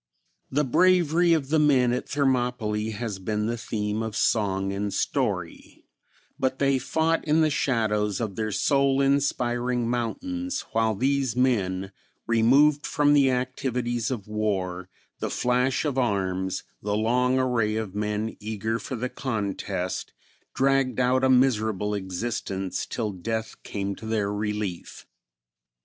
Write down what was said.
The bravery of the men at Thermopylae has been the theme of song and story; but they fought in the shadows of their soul inspiring mountains, while these men, removed from the activities of war, the flash of arms, the long array of men eager for the contest, dragged out a miserable existence till death came to their relief.